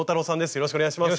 よろしくお願いします。